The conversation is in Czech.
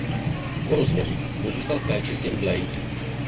Po rozvodu mu zůstal v péči syn Blade.